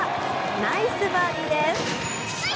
ナイスバーディーです。